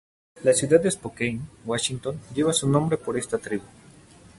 La ciudad de Spokane, Washington lleva su nombre por esta tribu.